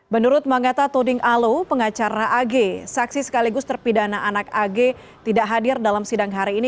menurut mangata toding alo pengacara ag saksi sekaligus terpidana anak ag tidak hadir dalam sidang hari ini